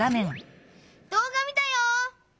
どう画見たよ！